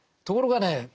ところがへ。